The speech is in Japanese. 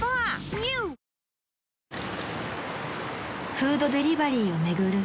［フードデリバリーを巡る